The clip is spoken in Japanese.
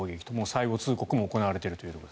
最後通告も行われていると。